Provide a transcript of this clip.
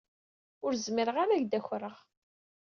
Ur zmireɣ ara ad ak-d-akreɣ.